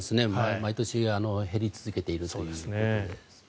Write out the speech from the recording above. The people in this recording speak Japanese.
毎年、減り続けているということですね。